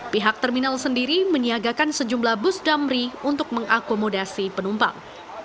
pihak terminal sendiri menyiagakan sejumlah bus damri untuk mengakomodasi penumpang